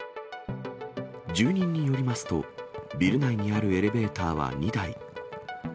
住人によりますと、ビル内にあるエレベーターは２台。